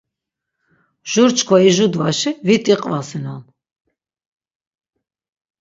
Jur çkva ijudvaşi vit iqvasinon.